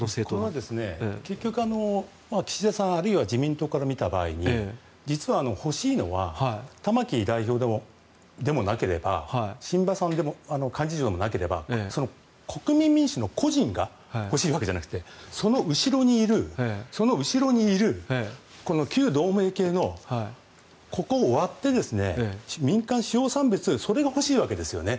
これは結局、岸田さんあるいは自民党から見た場合に実は欲しいのは玉木代表でもなければ榛葉幹事長でもなければ国民民主の個人が欲しいのではなくてその後ろにいる旧同盟系のここを割って民間主要産別それが欲しいわけですよね。